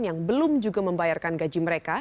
yang belum juga membayarkan gaji mereka